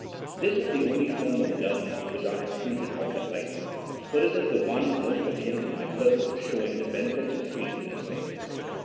This is the only form of government which I have treated of at length, for it is the one most akin to my purpose of showing the benefits of freedom in a state.